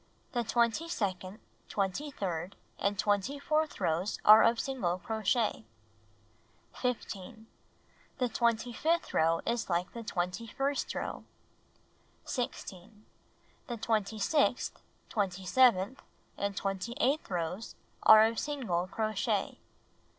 The twenty second, twenty third and twenty fourth rows are of single crochet. 15. The twenty fifth row is like the twenty first row. 16. The twenty sixth, twenty seventh and twenty eighth rows are of single crochet.